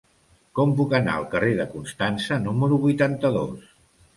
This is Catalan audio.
Com puc anar al carrer de Constança número vuitanta-dos?